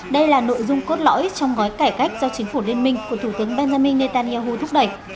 đây là nội dung cốt lõi trong gói cải cách do chính phủ liên minh của thủ tướng benjamin netanyahu thúc đẩy